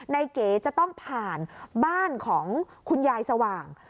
เก๋จะต้องผ่านบ้านของคุณยายสว่าง